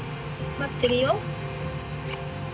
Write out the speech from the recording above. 待ってるよ。